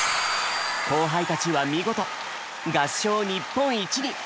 後輩たちは見事合唱日本一に！